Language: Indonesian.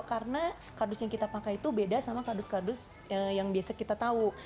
karena kardus yang kita pakai itu beda sama kardus kardus yang biasa kita tahu